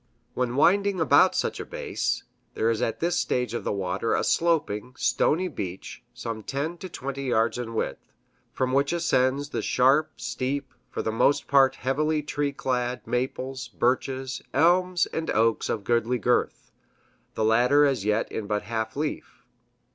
When winding about such a base, there is at this stage of the water a sloping, stony beach, some ten to twenty yards in width, from which ascends the sharp steep, for the most part heavily tree clad maples, birches, elms and oaks of goodly girth, the latter as yet in but half leaf.